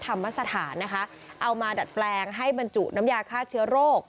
ธรรมสถานนะคะเอามาดัดแปลงให้บรรจุน้ำยาฆ่าเชื้อโรค